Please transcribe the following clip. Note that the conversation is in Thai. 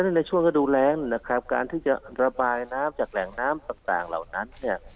ในช่วงฤดูแรงนะครับการที่จะระบายน้ำจากแหล่งน้ำต่างเหล่านั้นเนี่ย